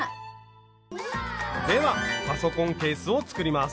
ではパソコンケースを作ります。